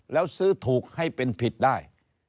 แล้วซื้อถูกให้เป็นผิดได้